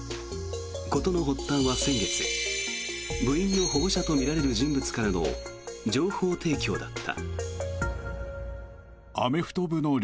事の発端は先月、部員の保護者とみられる人物からの情報提供だった。